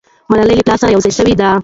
ملالۍ له پلاره سره یو ځای سوې ده.